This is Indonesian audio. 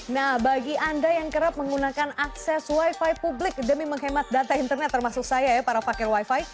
nah bagi anda yang kerap menggunakan akses wifi publik demi menghemat data internet termasuk saya ya para fakir wifi